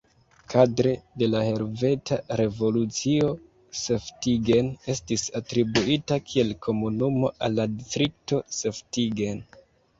Kadre de la Helveta Revolucio Seftigen estis atribuita kiel komunumo al la distrikto Seftigen.